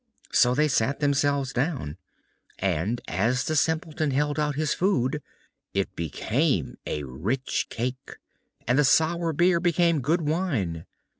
So they sat themselves down, and as the Simpleton held out his food it became a rich cake, and the sour beer became good wine.